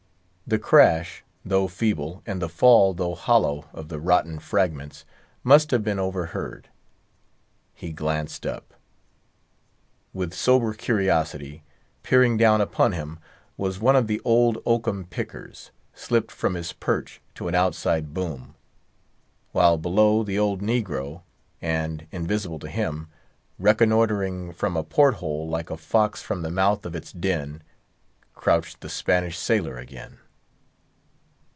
The crash, though feeble, and the fall, though hollow, of the rotten fragments, must have been overheard. He glanced up. With sober curiosity peering down upon him was one of the old oakum pickers, slipped from his perch to an outside boom; while below the old negro, and, invisible to him, reconnoitering from a port hole like a fox from the mouth of its den, crouched the Spanish sailor again.